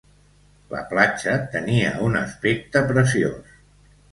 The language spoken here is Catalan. La platja tenia un aspecte preciós.